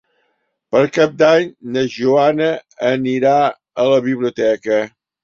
Per Cap d'Any na Joana anirà a la biblioteca.